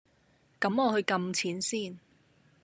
咁我去㩒錢先